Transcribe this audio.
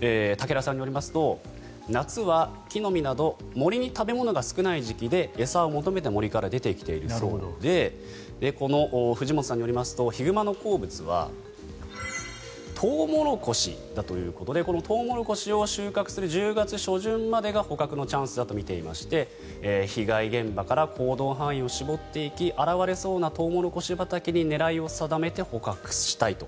武田さんによりますと夏は木の実など森に食べ物が少ない時期で餌を求めて森から出てきているそうで藤本さんによりますとヒグマの好物はトウモロコシだということでこのトウモロコシを収穫する１０月初旬までが捕獲のチャンスだと見ていまして被害現場から行動範囲を絞っていき現れそうなトウモロコシ畑に狙いを定めて捕獲したいと。